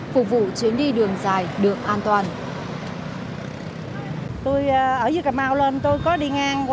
phục vụ chuyến đi đường dài đường an toàn